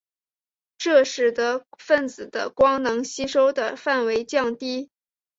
这使得分子的光能吸收的范围降低。